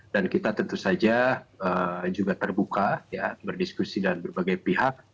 dan kita tentu saja juga terbuka ya berdiskusi dengan berbagai pihak